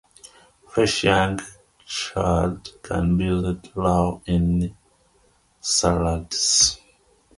Fresh young chard can be used raw in salads.